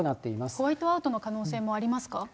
ホワイトアウトの可能性もありますか。